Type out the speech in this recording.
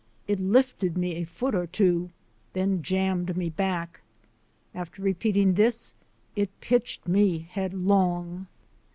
It lifted me a foot or two, then jammed me back. After repeating this, it pitched me headlong!